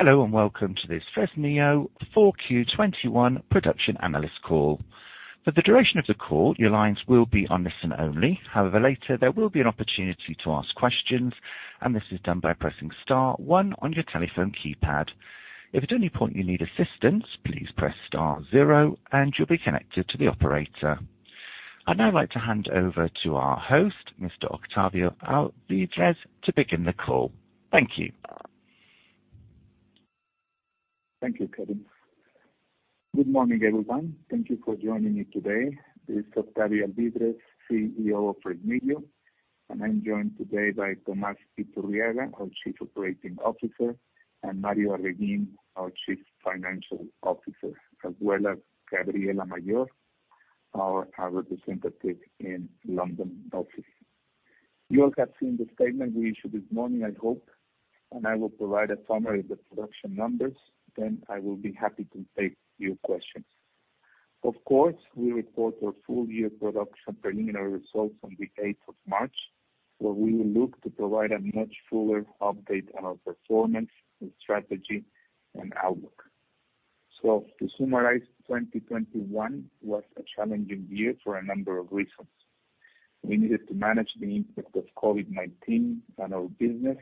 Hello, and welcome to this Fresnillo 4Q 2021 Production Analyst Call. For the duration of the call, your lines will be on listen only. However, later there will be an opportunity to ask questions, and this is done by pressing star one on your telephone keypad. If at any point you need assistance, please press star zero and you'll be connected to the operator. I'd now like to hand over to our host, Mr. Octavio Alvídrez, to begin the call. Thank you. Thank you, Kevin. Good morning, everyone. Thank you for joining me today. This is Octavio Alvídrez, CEO of Fresnillo, and I'm joined today by Tomás Iturriaga, our Chief Operating Officer, and Mario Arreguín, our Chief Financial Officer, as well as Gabriela Mayor, our representative in London office. You all have seen the statement we issued this morning, I hope, and I will provide a summary of the production numbers, then I will be happy to take your questions. Of course, we report our full year production preliminary results on the eighth of March, where we will look to provide a much fuller update on our performance and strategy and outlook. To summarize, 2021 was a challenging year for a number of reasons. We needed to manage the impact of COVID-19 on our business,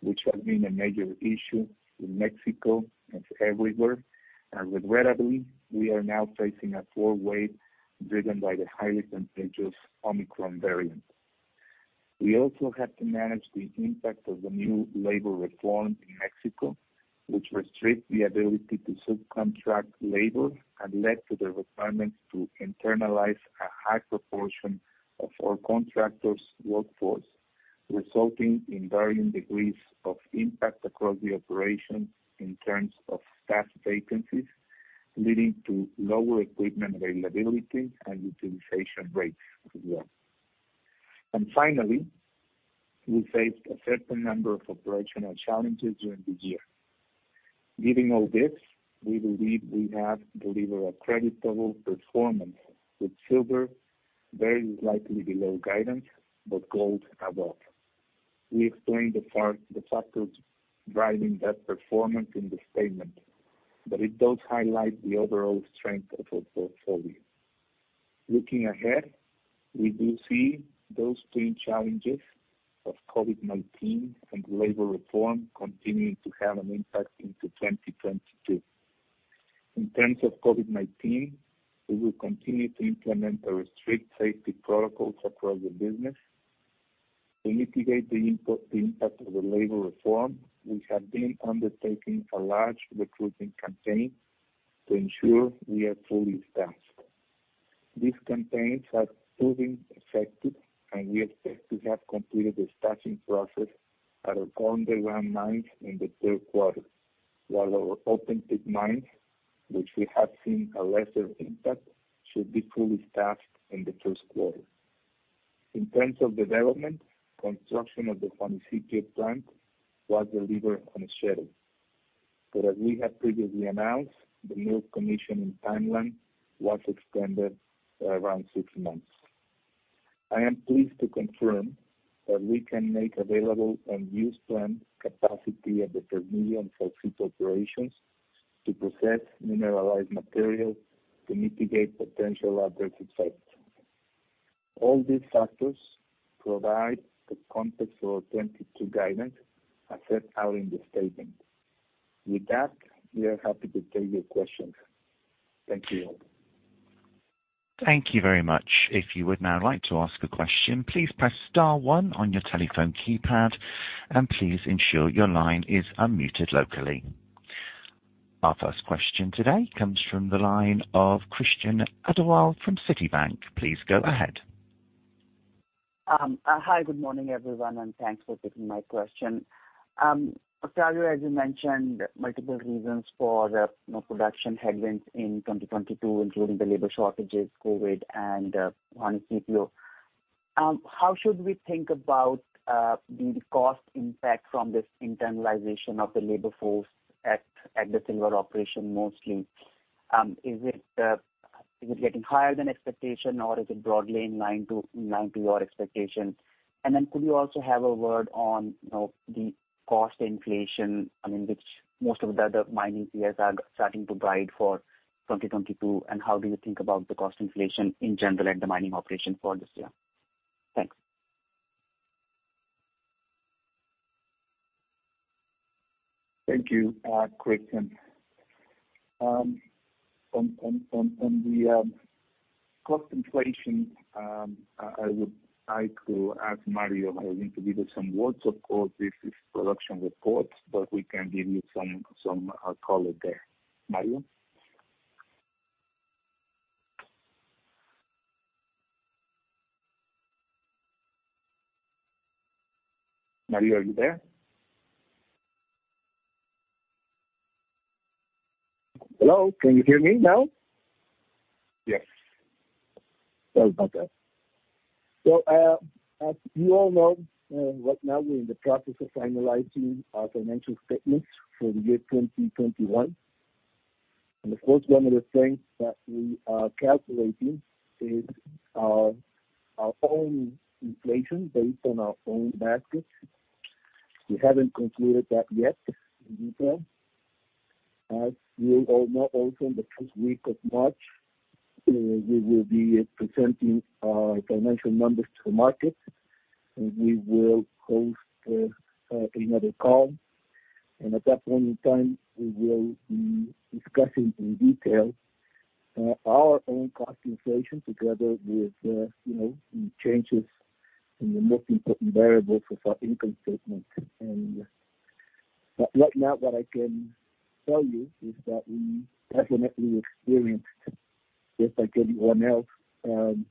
which has been a major issue in Mexico as everywhere. Regrettably, we are now facing a fourth wave driven by the highly contagious Omicron variant. We also had to manage the impact of the new labor reform in Mexico, which restricts the ability to subcontract labor and led to the requirements to internalize a high proportion of our contractors' workforce, resulting in varying degrees of impact across the operation in terms of staff vacancies, leading to lower equipment availability and utilization rates as well. Finally, we faced a certain number of operational challenges during the year. Given all this, we believe we have delivered a creditable performance, with silver very slightly below guidance, but gold above. We explained the factors driving that performance in the statement, but it does highlight the overall strength of our portfolio. Looking ahead, we do see those twin challenges of COVID-19 and labor reform continuing to have an impact into 2022. In terms of COVID-19, we will continue to implement a strict safety protocols across the business. To mitigate the impact of the labor reform, we have been undertaking a large recruiting campaign to ensure we are fully staffed. These campaigns have proven effective, and we expect to have completed the staffing process at our underground mines in the third quarter. While our open pit mines, which we have seen a lesser impact, should be fully staffed in the first quarter. In terms of development, construction of the Juanicipio plant was delivered on a schedule. As we have previously announced, the mill commissioning timeline was extended around six months. I am pleased to confirm that we can make available unused plant capacity at the Fresnillo and Saucito operations to process mineralized materials to mitigate potential adverse effects. All these factors provide the context for our 2022 guidance as set out in the statement. With that, we are happy to take your questions. Thank you. Thank you very much. If you would now like to ask a question, please press star one on your telephone keypad, and please ensure your line is unmuted locally. Our first question today comes from the line of Krishan Agarwal from Citigroup. Please go ahead. Hi, good morning, everyone, and thanks for taking my question. Octavio, as you mentioned, multiple reasons for the, you know, production headwinds in 2022, including the labor shortages, COVID, and Juanicipio. How should we think about the cost impact from this internalization of the labor force at the silver operation mostly? Is it getting higher than expectation, or is it broadly in line with your expectation? Then could you also have a word on, you know, the cost inflation, I mean, which most of the other mining peers are starting to guide for 2022, and how do you think about the cost inflation in general at the mining operation for this year? Thanks. Thank you, Krishan. On the cost inflation, I would like to ask Mario to maybe give some words. Of course, this is production report, but we can give you some color there. Mario? Mario, are you there? Hello, can you hear me now? Yes. As you all know, right now we're in the process of finalizing our financial statements for the year 2021. The fourth one of the things that we are calculating is our own inflation based on our own basket. We haven't concluded that yet in detail. As you all know, also in the first week of March, we will be presenting our financial numbers to the market, and we will host another call. At that point in time, we will be discussing in detail our own cost inflation together with, you know, the changes in the most important variables of our income statement. Right now what I can tell you is that we definitely experienced, just like anyone else, an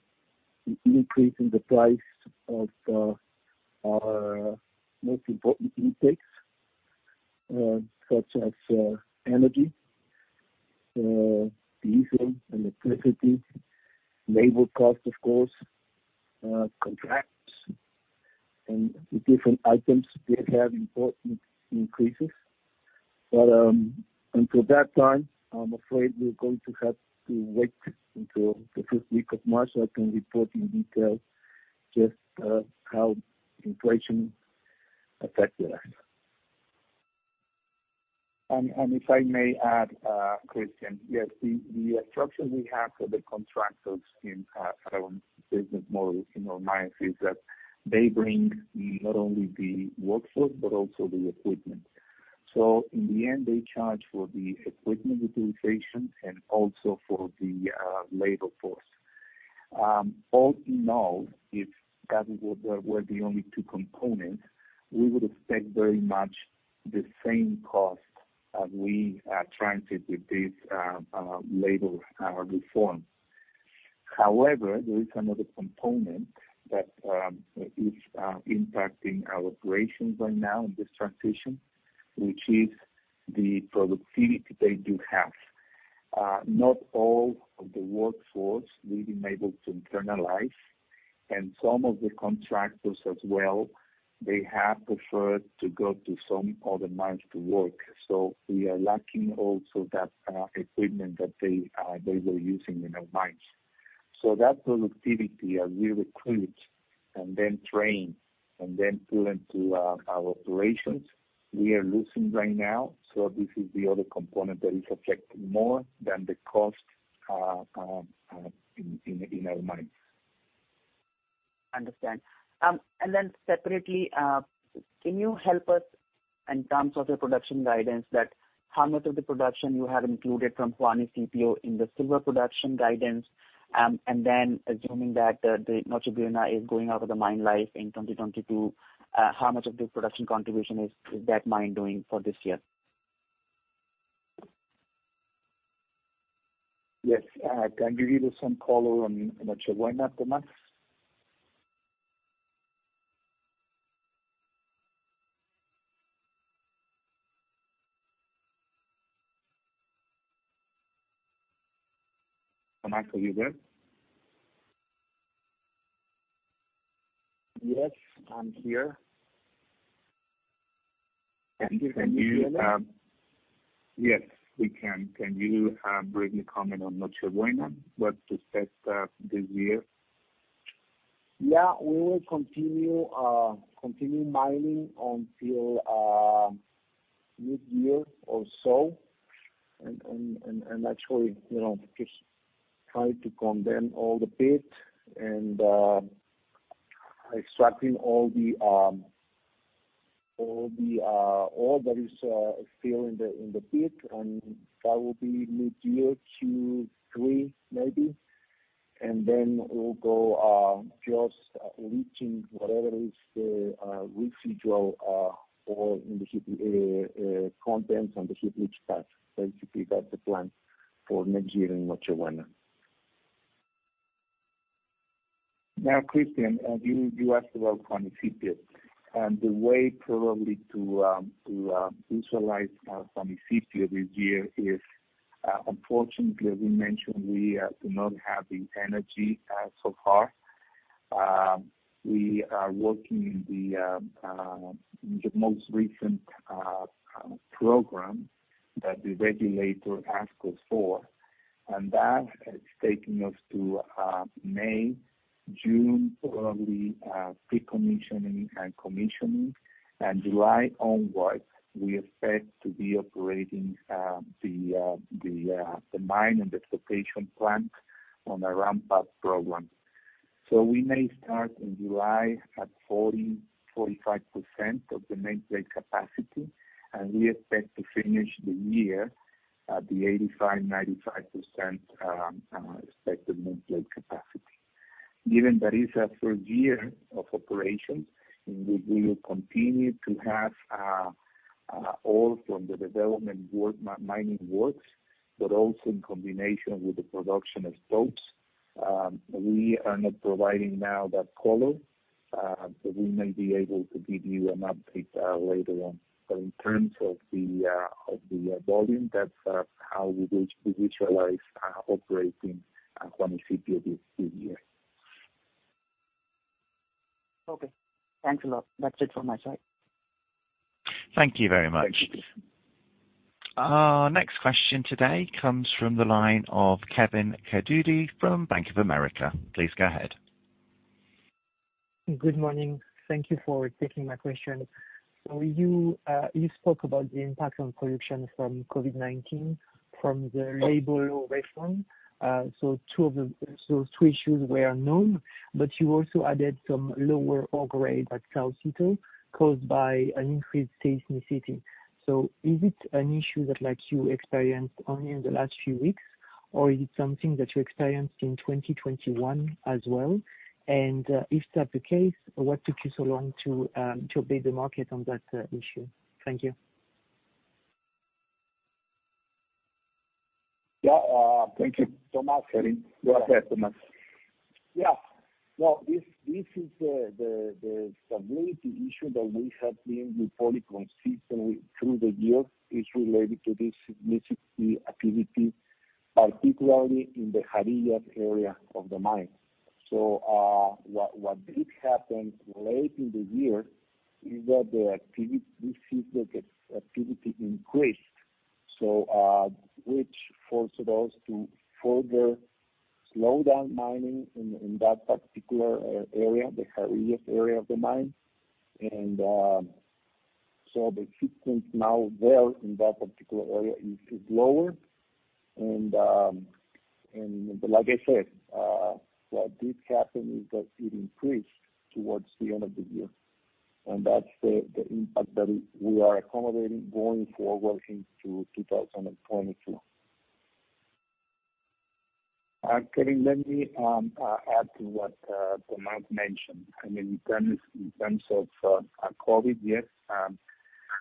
increase in the price of our most important inputs, such as energy, diesel and electricity, labor cost of course, contracts and different items did have important increases. Until that time, I'm afraid we're going to have to wait until the first week of March, so I can report in detail just how inflation affected us. If I may add, Krishan. Yes, the structure we have for the contractors in our business model in our mines is that they bring not only the workforce but also the equipment. In the end, they charge for the equipment utilization and also for the labor force. All in all, if that were the only two components, we would expect very much the same cost as we are transitioning with this labor reform. However, there is another component that is impacting our operations right now in this transition, which is the productivity they do have. Not all of the workforce we've been able to internalize, and some of the contractors as well, they have preferred to go to some other mines to work. We are lacking also that equipment that they were using in our mines. That productivity, as we recruit and then train and then put into our operations, we are losing right now. This is the other component that is affecting more than the cost in our mines. Understood. Separately, can you help us in terms of your production guidance that how much of the production you have included from Juanicipio in the silver production guidance? Assuming that the Noche Buena is going out of the mine life in 2022, how much of the production contribution is that mine doing for this year? Yes. Can I give you some color on Noche Buena, Tomas? Tomas, are you there? Yes, I'm here. Can you? Can you hear me clearly? Yes, we can. Can you briefly comment on Noche Buena, what to expect, this year? Yeah. We will continue mining until mid-year or so. Actually, you know, just try to condemn all the pit and extracting all the ore that is still in the pit. That will be mid-year, Q3 maybe. Then we'll go just leaching whatever is the residual ore in the heap contents on the heap leach pad. Basically, that's the plan for next year in Noche Buena. Now, Krishan, you asked about Juanicipio. The way probably to visualize Juanicipio this year is, unfortunately as we mentioned, we do not have the energy so far. We are working in the most recent program that the regulator asked us for, and that is taking us to May, June, probably, pre-commissioning and commissioning. July onwards, we expect to be operating the mine and the flotation plant on a ramp-up program. We may start in July at 45% of the nameplate capacity, and we expect to finish the year at the 85%-95% expected nameplate capacity. Given that it is a third year of operation, we will continue to have ore from the development work, mining works, but also in combination with the production of stocks. We are not providing now that color, but we may be able to give you an update later on. In terms of the volume, that's how we visualize operating Juanicipio this year. Okay. Thanks a lot. That's it from my side. Thank you very much. Thank you. Our next question today comes from the line of Kevin Cuddihy from Bank of America. Please go ahead. Good morning. Thank you for taking my question. You spoke about the impact on production from COVID-19 from the labor reform. Two issues were known, but you also added some lower ore grade at Saucito caused by an increased seismic activity. Is it an issue that, like, you experienced only in the last few weeks, or is it something that you experienced in 2021 as well? If that's the case, what took you so long to update the market on that issue? Thank you. Yeah. Thank you so much, Kevin. Go ahead, Tomás. Yeah. Well, this is the stability issue that we have been reporting consistently through the year. It's related to the seismic activity, particularly in the Jarillas area of the mine. What did happen late in the year is that we see the seismic activity increased, which forced us to further slow down mining in that particular area, the Jarillas area of the mine. Like I said, what did happen is that it increased towards the end of the year. That's the impact that we are accommodating going forward into 2022. Kevin, let me add to what Tomás mentioned. I mean, in terms of COVID, yes,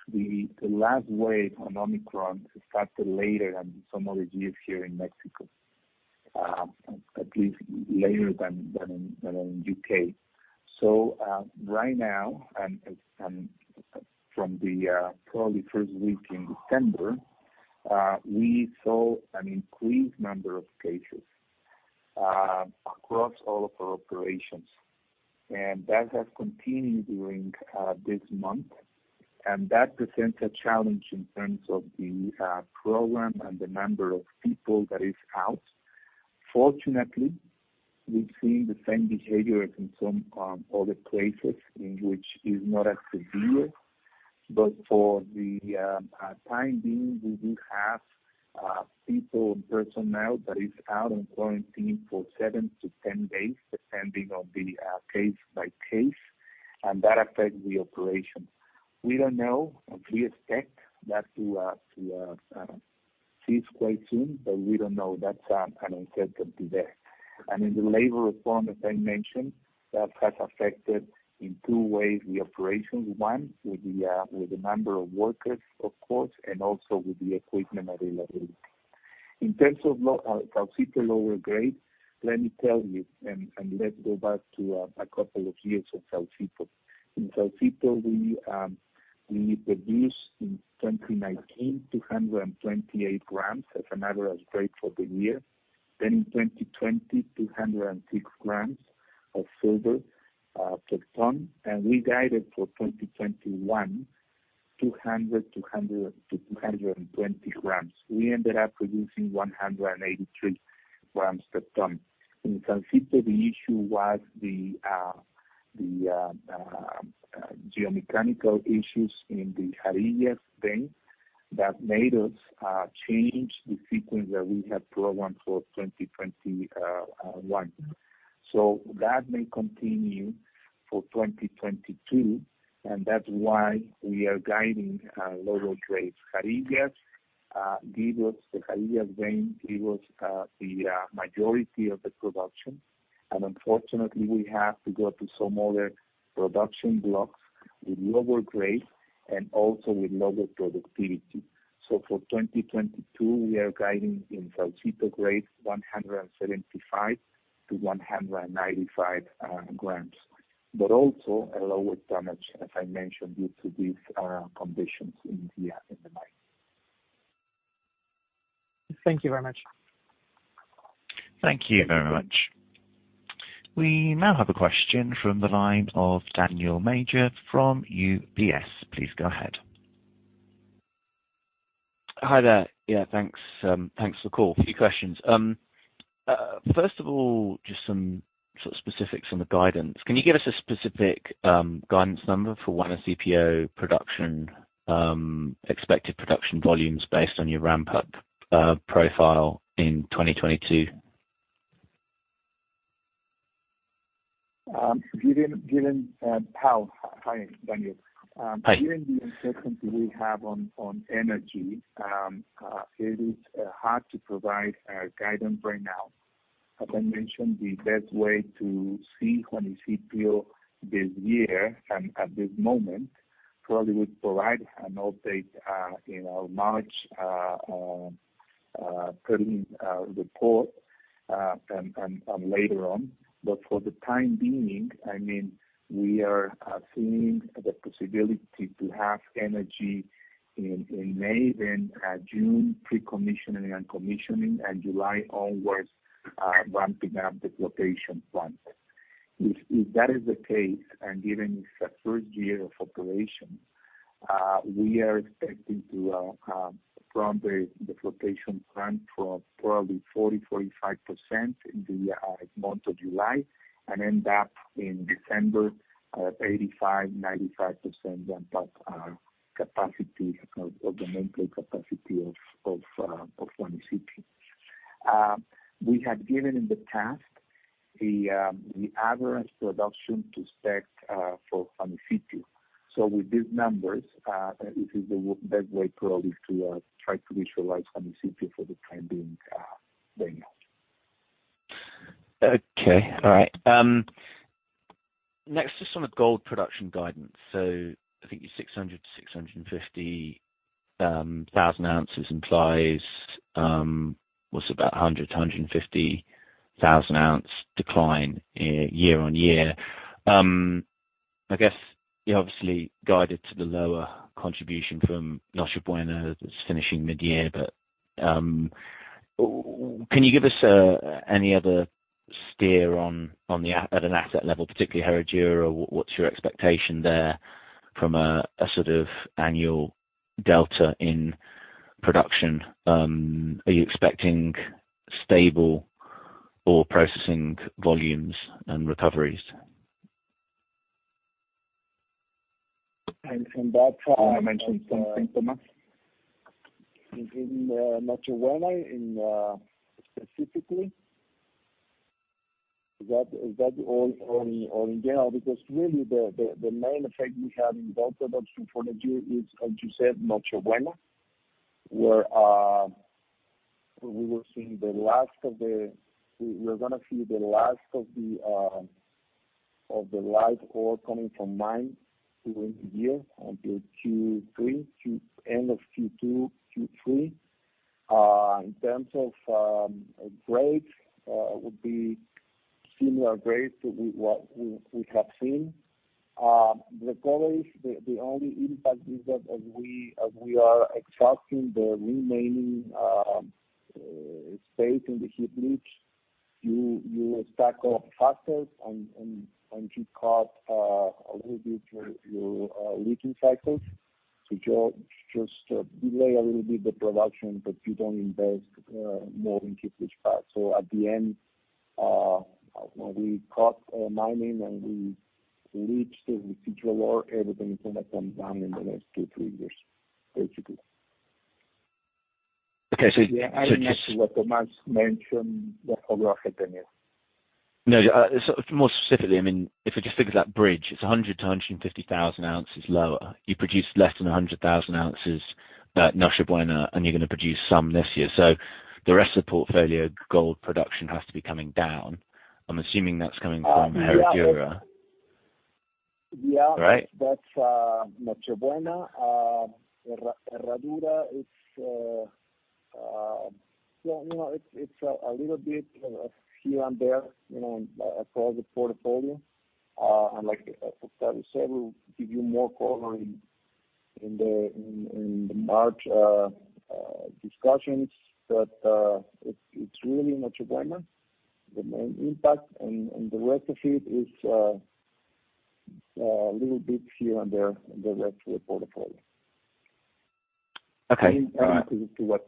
the last wave on Omicron started later than some other years here in Mexico, at least later than in U.K. Right now and from the probably first week in December, we saw an increased number of cases across all of our operations. That has continued during this month, and that presents a challenge in terms of the program and the number of people that is out. Fortunately, we've seen the same behavior as in some other places in which is not as severe. For the time being, we do have people and personnel that is out on quarantine for 7-10 days, depending on the case by case, and that affects the operation. We don't know. We expect that to cease quite soon, but we don't know. That's an uncertainty there. In the labor reform, as I mentioned, that has affected in two ways the operations. One, with the number of workers, of course, and also with the equipment availability. In terms of Saucito lower grade, let me tell you and let's go back to a couple of years of Saucito. In Saucito, we produced in 2019, 228 g as an average grade for the year. In 2020, 206 g of silver per ton. We guided for 2021, 200-220 g. We ended up producing 183 g per ton. In Saucito, the issue was the geomechanical issues in the Jarillas vein that made us change the sequence that we had programmed for 2021. That may continue for 2022, and that's why we are guiding lower grades. The Jarillas vein gave us the majority of the production. Unfortunately, we have to go to some other production blocks with lower grade and also with lower productivity. For 2022, we are guiding in Saucito grade 175-195 g. Also a lower tonnage, as I mentioned, due to these conditions in the mine. Thank you very much. Thank you very much. We now have a question from the line of Daniel Major from UBS. Please go ahead. Hi there. Yeah, thanks for the call. A few questions. First of all, just some sort of specifics on the guidance. Can you give us a specific guidance number for Juanicipio production, expected production volumes based on your ramp up profile in 2022? Hi, Daniel. Hi. Given the uncertainty we have on energy, it is hard to provide guidance right now. As I mentioned, the best way to see Juanicipio this year and at this moment, probably would provide an update in our March preliminary report later on. For the time being, I mean, we are seeing the possibility to have energy in May then June pre-commissioning and commissioning and July onwards, ramping up the flotation plant. If that is the case, and given it's the first year of operation, we are expecting to from the flotation plant from probably 40%-45% in the month of July and end up in December at 85%-95% ramp up capacity of the nameplate capacity of San Isidro. We had given in the past the average production to expect for San Isidro. With these numbers, this is the best way probably to try to visualize San Isidro for the time being, Daniel. Okay. All right. Next, just on the gold production guidance. I think your 600,000-650,000 oz implies what's it about 100,000-150,000 oz decline year-on-year. I guess you obviously guided to the lower contribution from Noche Buena that's finishing mid-year. Can you give us any other steer on at an asset level, particularly Herradura? What's your expectation there from a sort of annual delta in production? Are you expecting stable ore processing volumes and recoveries? From that. You wanna mention something, Tomás? In Noche Buena specifically? Is that all, only or in general? Because really the main effect we have in gold production for the year is, as you said, Noche Buena, where we're gonna see the last of the live ore coming from mine during the year until end of Q2, Q3. In terms of grades, would be similar grades to what we have seen. The goal is the only impact is that as we are exhausting the remaining space in the heap leach, you stock up faster and you cut a little bit your leaching cycles. Just delay a little bit the production, but you don't invest more in heap leach pad. At the end, you know, we cut mining, and we leach the future ore. Everything is gonna come down in the next two, three years, basically. Okay. In addition to what Tomás mentioned, what other effect, Daniel? No, more specifically, I mean, if we just think of that bridge, it's 100,000-150,000 oz lower. You produced less than 100,000 oz at Noche Buena, and you're gonna produce some this year. The rest of the portfolio gold production has to be coming down. I'm assuming that's coming from Herradura. Yeah. Right? That's Noche Buena. Herradura is well, you know, it's a little bit here and there, you know, across the portfolio. Like Octavio said, we'll give you more color in the March discussions. It's really Noche Buena, the main impact. The rest of it is a little bit here and there in the rest of the portfolio. Okay. All right. To what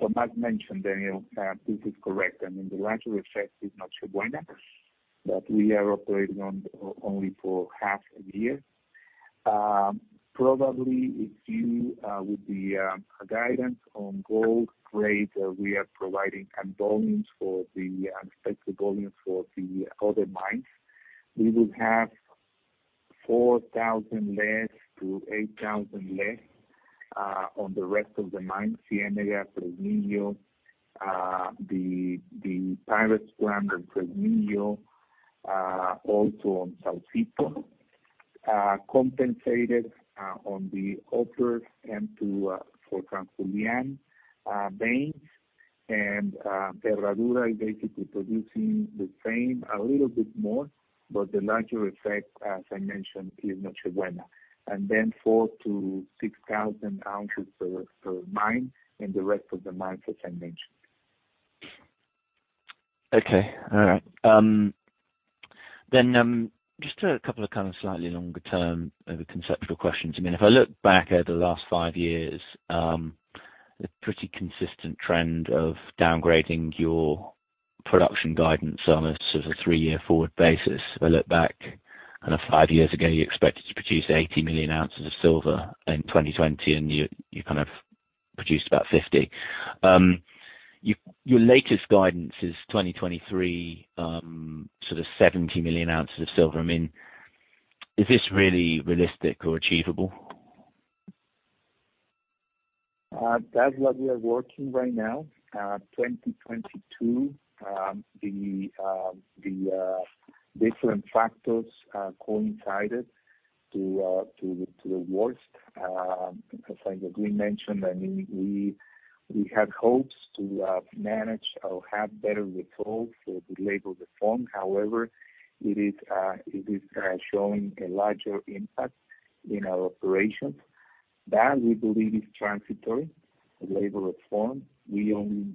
Tomás mentioned, Daniel, this is correct. I mean, the larger effect is Noche Buena that we are operating on only for half a year. Probably if you with the guidance on gold grade we are providing and volumes for the unexpected volume for the other mines. We will have 4,000-8,000 less on the rest of the mines, Ciénega, Fresnillo, the Pyrites Plant under Fresnillo, also on Saucito. Compensated on the other end, too, for San Julian veins. Herradura is basically producing the same, a little bit more, but the larger effect, as I mentioned, is Noche Buena. Then 4,000-6,000 oz per mine in the rest of the mines as I mentioned. Okay. All right. Just a couple of kind of slightly longer-term overarching conceptual questions. I mean, if I look back over the last five years, a pretty consistent trend of downgrading your production guidance on a sort of three-year forward basis. I look back, and five years ago, you expected to produce 80 million oz of silver in 2020, and you kind of produced about 50. Your latest guidance is 2023, sort of 70 million oz of silver. I mean, is this really realistic or achievable? That's what we are working on right now. 2022, the different factors coincided to the worst. As like Daniel Major mentioned, I mean, we had hopes to manage or have better results for the labor reform. However, it is showing a larger impact in our operations that we believe is transitory labor reform. We only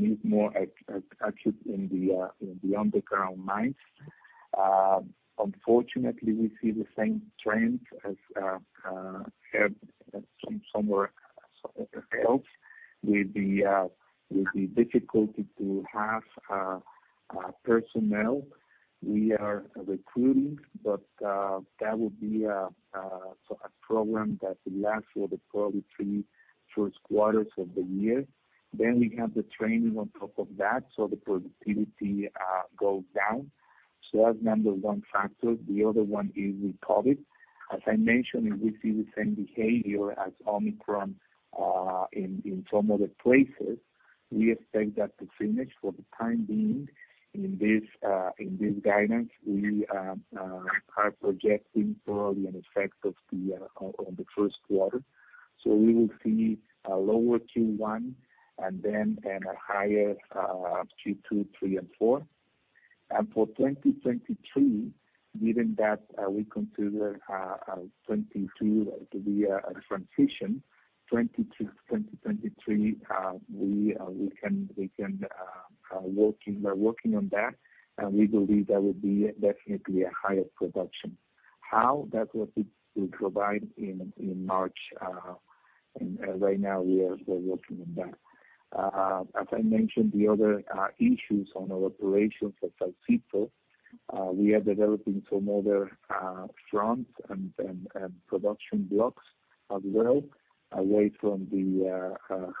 need more access in the underground mines. Unfortunately, we see the same trend as we have somewhere else with the difficulty to have personnel. We are recruiting, but that would be a program that will last for probably the first three quarters of the year. We have the training on top of that, so the productivity goes down. That's number one factor. The other one is with COVID. As I mentioned, we see the same behavior as Omicron in some other places. We expect that to finish for the time being. In this guidance, we are projecting for the effect on the first quarter. We will see a lower Q1 and then a higher Q2, Q3, and Q4. For 2023, given that we consider 2022 to be a transition. 2022-2023, we are working on that, and we believe that would be definitely a higher production. How? We'll provide that in March. Right now we are working on that. As I mentioned, the other issues on our operations for Saucito, we are developing some other fronts and production blocks as well, away from the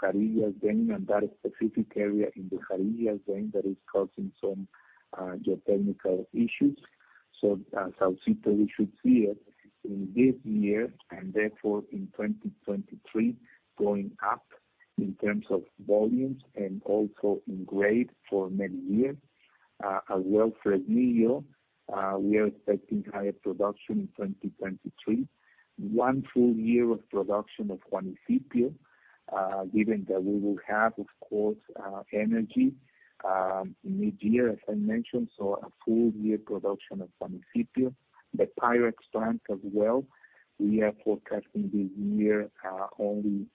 Jarillas vein and that specific area in the Jarillas vein that is causing some geotechnical issues. As Saucito, we should see it in this year and therefore in 2023, going up in terms of volumes and also in grade for many years. As well for Fresnillo, we are expecting higher production in 2023. One full year of production of Juanicipio given that we will have, of course, energy mid-year, as I mentioned, so a full year production of Juanicipio. The Pyrites Plant as well, we are forecasting this year only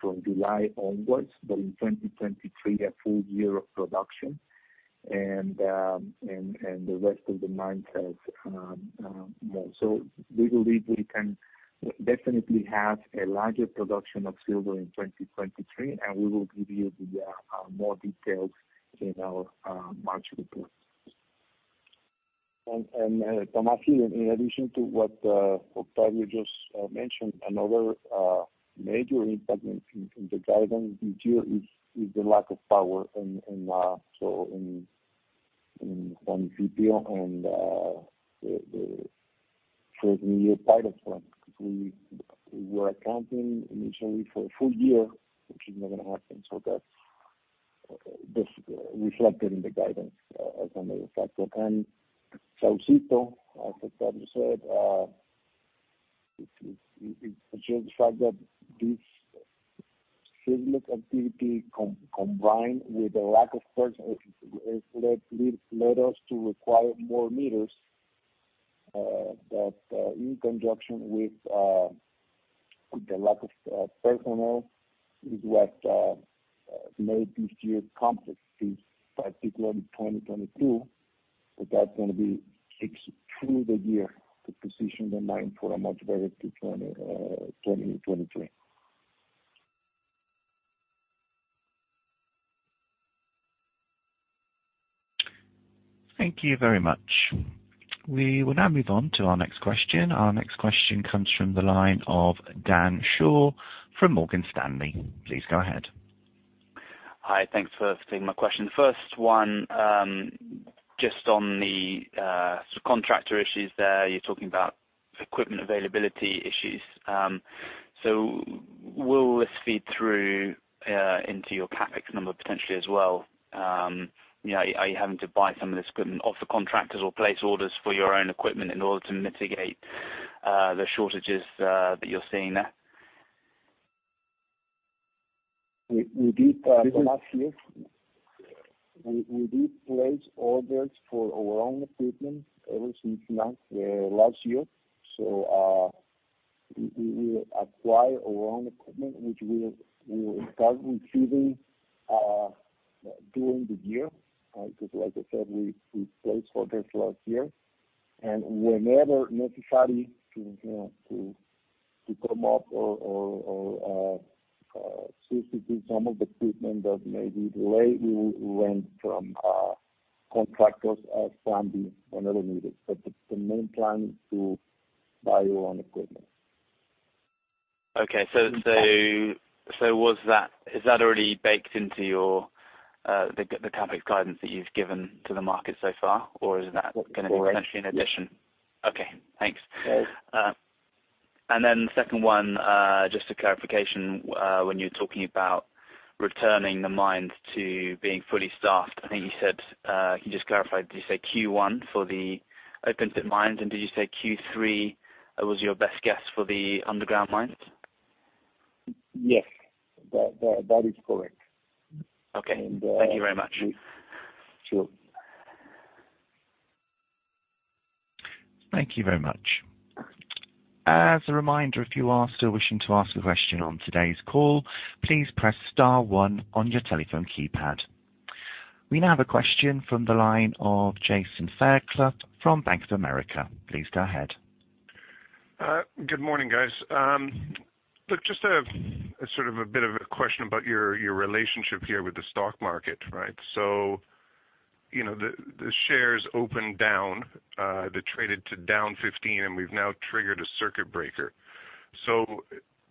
from July onwards, but in 2023, a full year of production. The rest of the mines has more. We believe we can definitely have a larger production of silver in 2023, and we will give you the more details in our March report. Tomás Iturriaga, in addition to what Octavio just mentioned, another major impact in the guidance this year is the lack of power and so in Juanicipio and the Fresnillo Pyrites Plant. We were accounting initially for a full year, which is not gonna happen. That's reflected in the guidance as another factor. Saucito, as Octavio said, it's just the fact that this seismic activity combined with the lack of personnel has led us to require more meters. That, in conjunction with the lack of personnel, is what made this year complex, this particularly 2022. That's gonna be fixed through the year to position the mine for a much better 2023. Thank you very much. We will now move on to our next question. Our next question comes from the line of Dan Shaw from Morgan Stanley. Please go ahead. Hi. Thanks for taking my question. First one, just on the sort of contractor issues there, you're talking about equipment availability issues. Will this feed through into your CapEx number potentially as well? You know, are you having to buy some of this equipment off the contractors or place orders for your own equipment in order to mitigate the shortages that you're seeing there? We did. This is Tomás Iturriaga. We did place orders for our own equipment ever since last year. We will acquire our own equipment, which we'll start receiving during the year. Because like I said, we placed orders last year. Whenever necessary, you know, to come up or substitute some of the equipment that may be delayed, we rent from contractors as Plan B when really needed. The main plan is to buy our own equipment. Okay. Is that already baked into your, the CapEx guidance that you've given to the market so far? Or is that gonna be potentially an addition? Correct. Yes. Okay, thanks. Yes. Second one, just a clarification, when you're talking about returning the mine to being fully staffed, I think you said, can you just clarify, did you say Q1 for the open pit mines, and did you say Q3 was your best guess for the underground mines? Yes. That is correct. Okay. And, uh- Thank you very much. Sure. Thank you very much. As a reminder, if you are still wishing to ask a question on today's call, please press star one on your telephone keypad. We now have a question from the line of Jason Fairclough from Bank of America. Please go ahead. Good morning, guys. Look, just a sort of bit of a question about your relationship here with the stock market, right? You know, the shares opened down, they traded down 15% and we've now triggered a circuit breaker.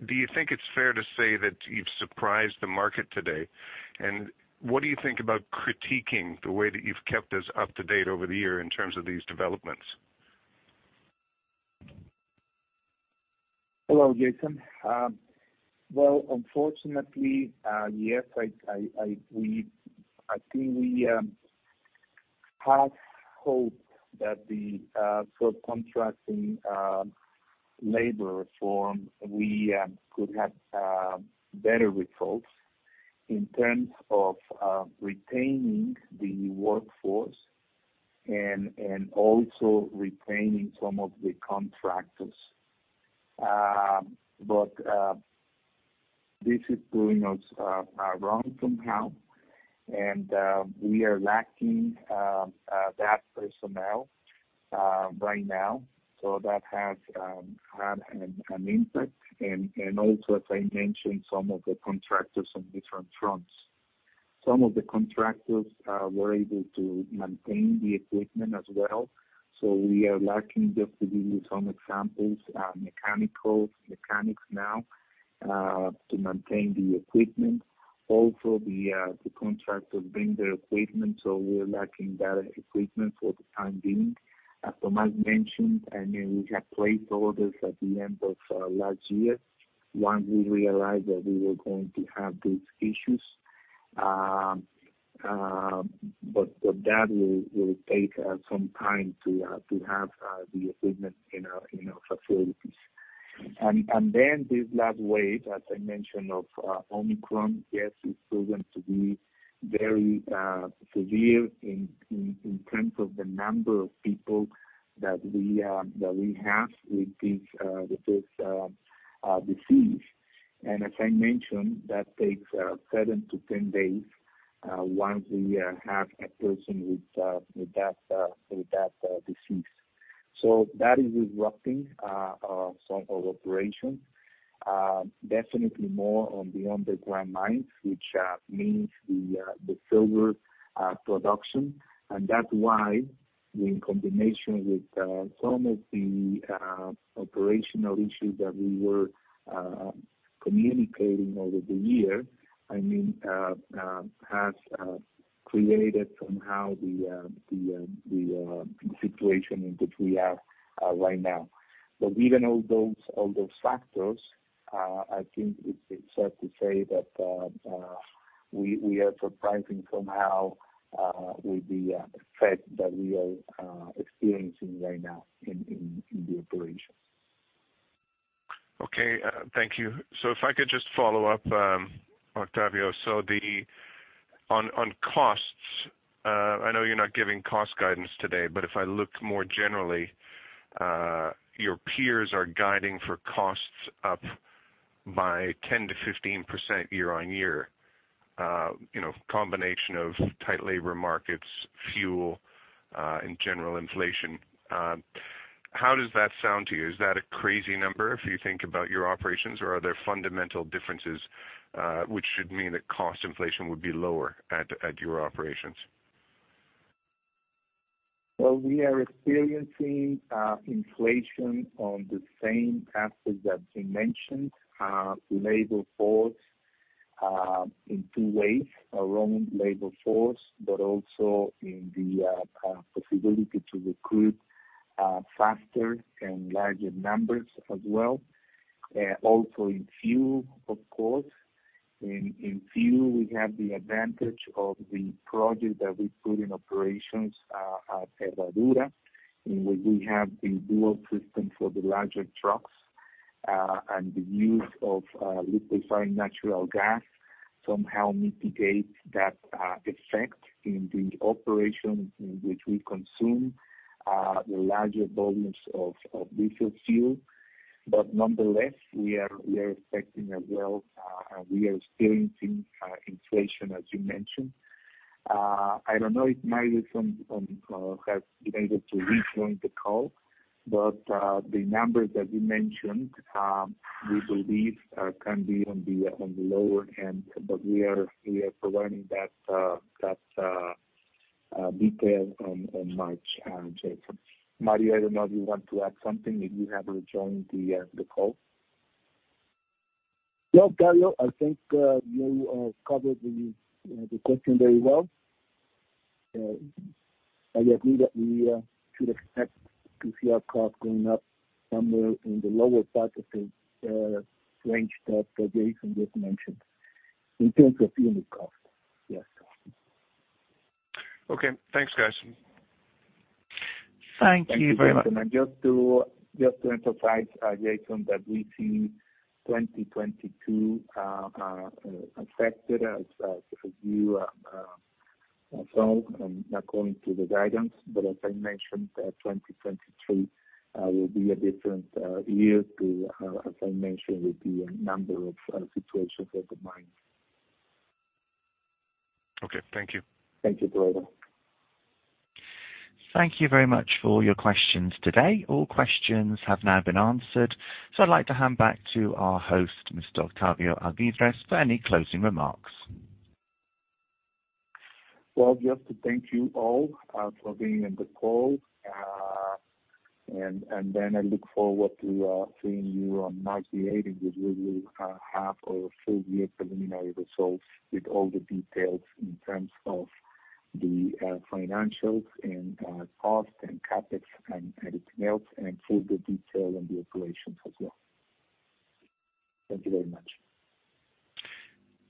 Do you think it's fair to say that you've surprised the market today? What do you think about critiquing the way that you've kept us up to date over the year in terms of these developments? Hello, Jason. Well, unfortunately, yes, I think we had hope that the labor reform for contracting could have better results in terms of retaining the workforce and also retaining some of the contractors. This is doing us wrong somehow, and we are lacking that personnel right now. That has had an impact. Also, as I mentioned, some of the contractors on different fronts. Some of the contractors were able to maintain the equipment as well, so we are lacking, just to give you some examples, mechanics now to maintain the equipment. Also, the contractors bring their equipment, so we're lacking that equipment for the time being. As Tomás mentioned, I mean, we have placed orders at the end of last year once we realized that we were going to have these issues. But that will take some time to have the equipment in our facilities. Then this last wave, as I mentioned, of Omicron, yes, it's proven to be very severe in terms of the number of people that we have with this disease. As I mentioned, that takes seven to 10 days once we have a person with that disease. That is disrupting some of operations definitely more on the underground mines, which means the silver production. That's why the combination with some of the operational issues that we were communicating over the year, I mean, has created somehow the situation in which we have right now. Even all those factors, I think it's safe to say that we are surprising somehow with the effect that we are experiencing right now in the operation. Okay. Thank you. If I could just follow up, Octavio. On costs, I know you're not giving cost guidance today, but if I look more generally, your peers are guiding for costs up by 10%-15% year-on-year. You know, combination of tight labor markets, fuel, and general inflation. How does that sound to you? Is that a crazy number if you think about your operations or are there fundamental differences which should mean that cost inflation would be lower at your operations? Well, we are experiencing inflation on the same aspects that you mentioned. The labor force, in two ways around labor force, but also in the possibility to recruit faster and larger numbers as well. Also in fuel, of course. In fuel we have the advantage of the project that we put in operations at Herradura, in which we have the dual system for the larger trucks, and the use of liquefied natural gas somehow mitigates that effect in the operations in which we consume the larger volumes of diesel fuel. But nonetheless, we are expecting as well, we are experiencing inflation as you mentioned. I don't know if Mario is on or has been able to rejoin the call, the numbers that you mentioned, we believe, can be on the lower end, but we are providing that detail on March, Jason. Mario, I don't know if you want to add something if you have rejoined the call. Yeah, Octavio, I think you covered the question very well. I agree that we should expect to see our cost going up somewhere in the lower part of the range that Jason just mentioned. In terms of unit cost, yes. Okay. Thanks, guys. Thank you very much. Thank you, Jason. Just to emphasize, Jason, that we see 2022 affected as you saw according to the guidance. As I mentioned, 2023 will be a different year, too, as I mentioned, with the number of situations at the mines. Okay. Thank you. Thank you, brother. Thank you very much for your questions today. All questions have now been answered. I'd like to hand back to our host, Mr. Octavio Alvídrez, for any closing remarks. Well, just to thank you all for being in the call. I look forward to seeing you on March the 8th, which we will have our full year preliminary results with all the details in terms of the financials and costs and CapEx and everything else, and further detail on the operations as well. Thank you very much.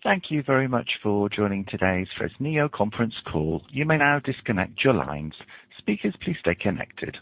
Thank you very much for joining today's Fresnillo conference call. You may now disconnect your lines. Speakers, please stay connected.